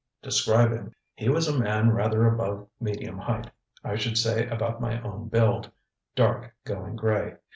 ŌĆØ ŌĆ£Describe him! ŌĆØ ŌĆ£He was a man rather above medium height. I should say about my own build; dark, going gray.